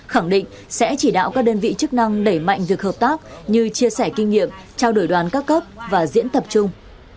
khẳng định sẽ chỉ đạo các đơn vị chức năng đẩy mạnh việc hợp tác như chia sẻ kinh nghiệm trao đổi đoàn các cấp và diễn tập chung